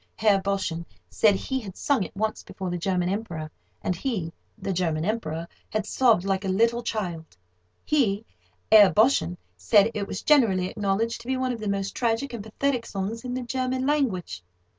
Herr Boschen said he had sung it once before the German Emperor, and he (the German Emperor) had sobbed like a little child. He (Herr Boschen) said it was generally acknowledged to be one of the most tragic and pathetic songs in the German language.